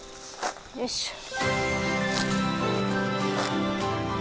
よいしょっ。